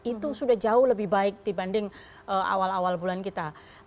itu sudah jauh lebih baik dibanding awal awal bulan kita